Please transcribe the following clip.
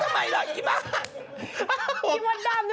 มักกลายเป็นอะไร